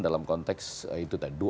dalam konteks itu tadi